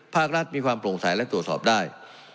ภาครัฐมีความโปร่งใสและตรวจสอบได้